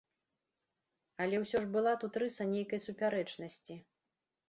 Але ўсё ж была тут рыса нейкай супярэчнасці.